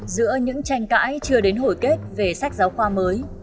giữa những tranh cãi chưa đến hồi kết về sách giáo khoa mới